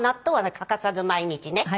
欠かさず毎日ね。